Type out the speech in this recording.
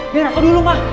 dengar aku dulu ma